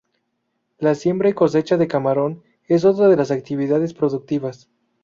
La siembra y cosecha de camarón es otra de las actividades productivas.